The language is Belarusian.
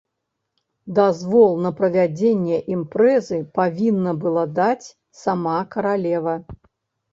Дазвол на правядзенне імпрэзы павінна была даць сама каралева.